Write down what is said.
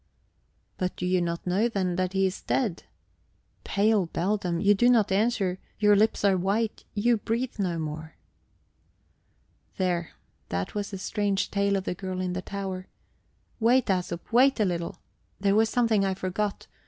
"But do you not know, then, that he is dead? ... Pale beldam, you do not answer; your lips are white, you breathe no more..." There! That was the strange tale of the girl in the tower. Wait, Æsop, wait a little: there was something I forgot.